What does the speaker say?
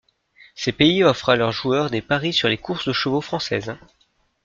Ces pays offrent à leurs joueurs des paris sur les courses de chevaux françaises.